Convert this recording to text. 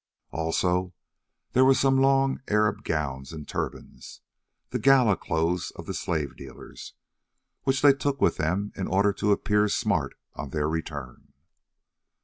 Also there were some long Arab gowns and turbans, the gala clothes of the slave dealers, which they took with them in order to appear smart on their return.